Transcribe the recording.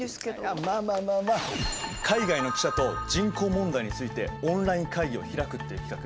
まあまあまあまあ海外の記者と人口問題についてオンライン会議を開くっていう企画。